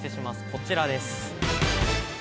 こちらです。